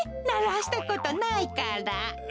ならしたことないから。